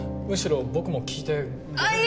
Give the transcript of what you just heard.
むしろ僕も聞いてごめん。